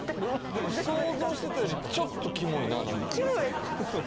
でも想像してたよりちょっとキモいななんかキモい？